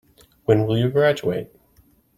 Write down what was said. When will you graduate?